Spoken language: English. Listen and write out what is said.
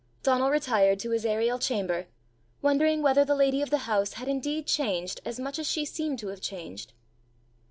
Donal retired to his aerial chamber, wondering whether the lady of the house had indeed changed as much as she seemed to have changed.